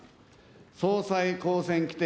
総裁公選規定